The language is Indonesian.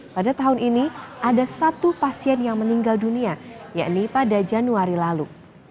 pada tahun ini ada satu pasien yang meninggal dunia yakni pada januari lalu